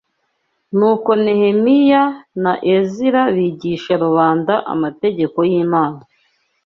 Nuko Nehemiya na Ezira bigisha rubanda amategeko y’Imana